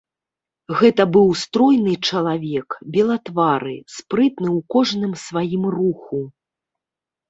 Гэта быў стройны чалавек, белатвары, спрытны ў кожным сваім руху.